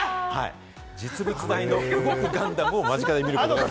実物大の動くガンダムを間近で見ることができる。